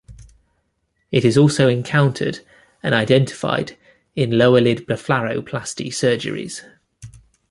It is also encountered and identified in lower lid blepharoplasty surgeries.